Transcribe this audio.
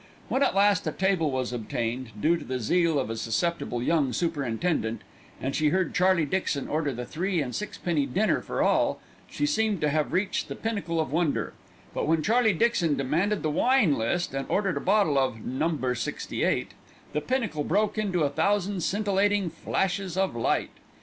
When at last a table was obtained, due to the zeal of a susceptible young superintendent, and she heard Charlie Dixon order the three and sixpenny dinner for all, she seemed to have reached the pinnacle of wonder; but when Charlie Dixon demanded the wine list and ordered a bottle of "Number 68," the pinnacle broke into a thousand scintillating flashes of light.